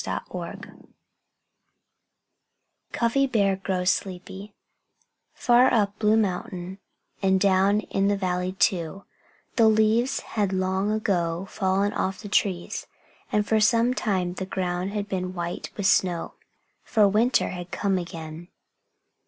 XXIII CUFFY BEAR GROWS SLEEPY Far up Blue Mountain, and down in the valley too, the leaves had long ago fallen off the trees. And for some time the ground had been white with snow; for winter had come again.